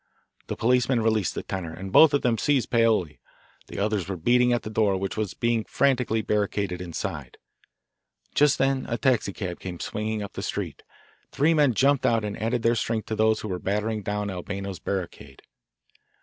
The policeman released the tenor, and both of them seized Paoli. The others were beating at the door, which was being frantically barricaded inside. Just then a taxicab came swinging up they street. Three men jumped out and added their strength to those who were battering down Albano's barricade.